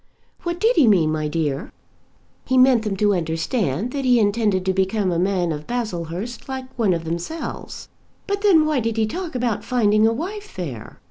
"What did he mean, my dear?" "He meant them to understand that he intended to become a man of Baslehurst like one of themselves." "But then why did he talk about finding a wife there?"